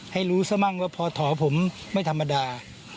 ให้รู้ซะมั่งว่าพอถอผมไม่ธรรมดา